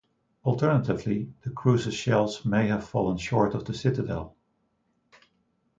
Alternatively, the cruiser's shells may have fallen short of the citadel.